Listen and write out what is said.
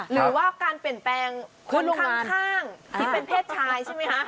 หรือว่าการเปลี่ยนแปลงคนข้างที่เป็นเพศชายใช่ไหมคะ